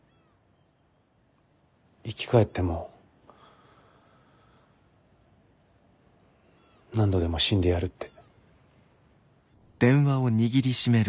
生き返っても何度でも死んでやるって。